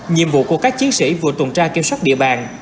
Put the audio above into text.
nhiệm vụ của các chiến sĩ vừa tuần tra kiểm soát địa bàn